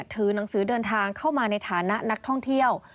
ถือหนังสือเดินทางเข้ามาในฐานะนักท่องเที่ยว